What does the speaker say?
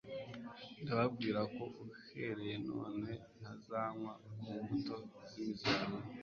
Ndababwira ko uhereye none ntazanywa ku mbuto z'imizabibu,